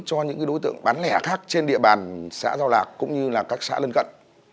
cho những đối tượng bán lẻ khác trên địa bàn xã giao lạc cũng như là các xã lân cận